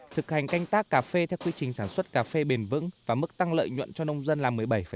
thực hành canh tác cà phê theo quy trình sản xuất cà phê bền vững và mức tăng lợi nhuận cho nông dân là một mươi bảy